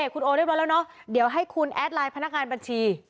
คุณโอเรียบร้อยแล้วเนอะเดี๋ยวให้คุณแอดไลน์พนักงานบัญชี